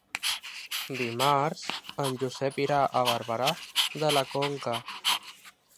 Dimarts en Josep irà a Barberà de la Conca.